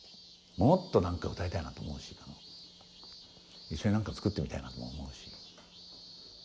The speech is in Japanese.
もっとなんか歌いたいなと思うし一緒になんか作ってみたいなとも思うし。